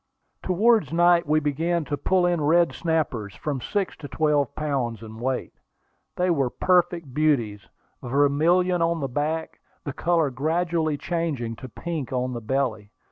Towards night we began to pull in red snappers from six to twelve pounds in weight. They were perfect beauties, vermilion on the back, the color gradually changing to pink on the belly.